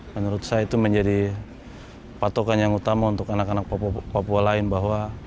menurut saya itu menjadi patokan yang utama untuk anak anak papua lain bahwa